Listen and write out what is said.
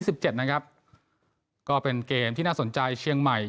สิบเจ็ดนะครับก็เป็นเกมที่น่าสนใจเชียงใหม่